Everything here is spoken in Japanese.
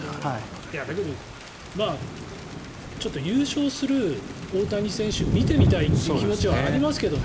だけど、優勝する大谷選手見てみたいっていう気持ちはありますけどね。